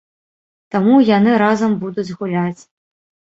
Таму яны разам будуць гуляць.